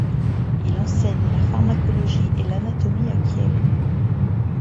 Il enseigne la pharmacologie et l’anatomie à Kiel.